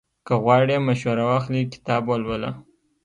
که غواړې مشوره واخلې، کتاب ولوله.